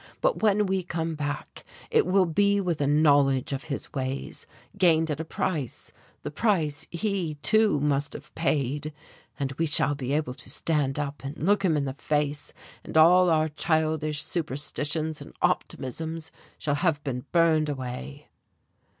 But when we come back it will be with a knowledge of his ways, gained at a price, the price he, too, must have paid and we shall be able to stand up and look him in the face, and all our childish superstitions and optimisms shall have been burned away."